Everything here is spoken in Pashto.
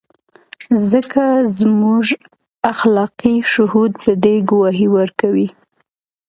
ځکه زموږ اخلاقي شهود په دې ګواهي ورکوي.